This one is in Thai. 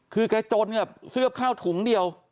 คือแก่จนเนี่ยซื้อกับข้าวถุงเดียว